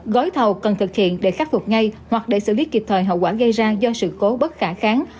gói thầu cần thực hiện để khắc phục ngay hoặc để xử lý kịp thời hậu quả gây ra do sự cố bất khả kháng